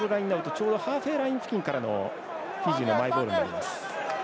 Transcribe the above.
ちょうどハーフライン付近からのフィジーのマイボールになります。